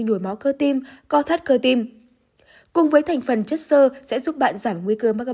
nhuồi máu cơ tim co thắt cơ tim cùng với thành phần chất sơ sẽ giúp bạn giảm nguy cơ mang các